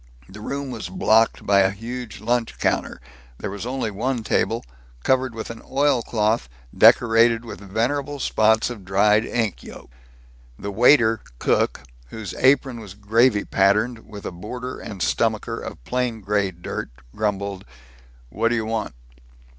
The room was blocked by a huge lunch counter; there was only one table, covered with oil cloth decorated with venerable spots of dried egg yolk. The waiter cook, whose apron was gravy patterned, with a border and stomacher of plain gray dirt, grumbled, "Whadyuhwant?"